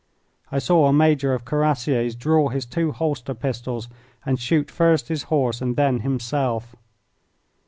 I saw a major of Cuirassiers draw his two holster pistols and shoot first his horse and then himself.